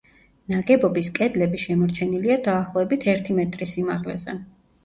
ნაგებობის კედლები შემორჩენილია დაახლოებით ერთი მეტრის სიმაღლეზე.